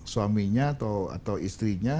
suaminya atau istrinya